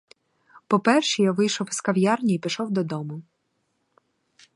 По першій я вийшов із кав'ярні і пішов додому.